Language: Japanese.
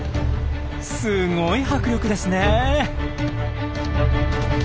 すごい迫力ですねえ。